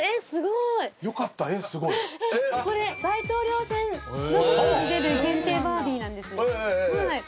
これ大統領選のときに出る限定バービーなんです。